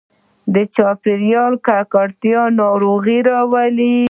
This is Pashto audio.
د چاپېریال ککړتیا ناروغي راوړي.